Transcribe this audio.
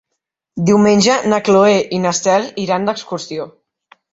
Diumenge na Cloè i na Cel iran d'excursió.